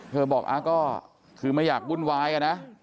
บอกก็คือไม่อยากวุ่นวายอะนะ